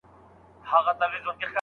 دوی خپلي موخي په ډېر دقت سره تعقیبوي.